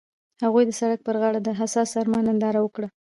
هغوی د سړک پر غاړه د حساس آرمان ننداره وکړه.